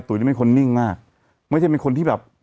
ทำไมละ